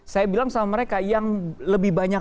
saya bilang sama mereka yang lebih banyak